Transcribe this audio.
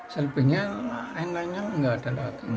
selebihnya lain lainnya nggak ada lagi